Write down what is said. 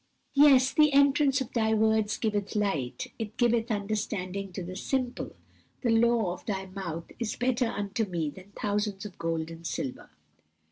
"Yes, 'the entrance of Thy words giveth light, it giveth understanding to the simple.' 'The law of Thy mouth is better unto me than thousands of gold and silver.'"